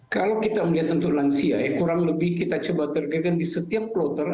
kalau kita lihat untuk lansia kurang lebih kita coba terkaitkan di setiap plotter